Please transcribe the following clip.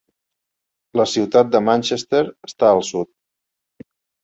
La ciutat de Manchester està al sud.